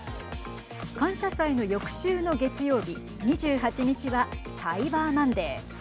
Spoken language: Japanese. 感謝祭の翌週の月曜日２８日はサイバーマンデー。